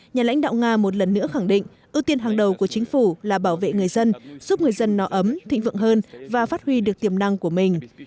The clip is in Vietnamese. nhà lãnh đạo nga một lần nữa khẳng định ưu tiên hàng đầu của chính phủ là bảo vệ người dân giúp người dân nó ấm thịnh vượng hơn và phát huy được tiềm năng của mình